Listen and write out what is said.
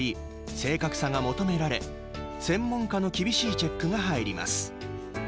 正確さが求められ専門家の厳しいチェックが入ります。